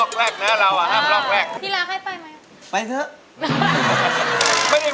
แม่กำลังเข้ามันไขพอดี